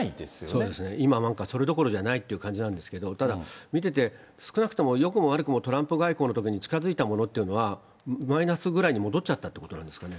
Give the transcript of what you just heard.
そうですね、今なんか、それどころじゃないっていう感じなんですけど、ただ見てて、少なくとも、よくも悪くもトランプ外交のときに近づいたものっていうのは、マイナスぐらいに戻っちゃったってことなんですかね。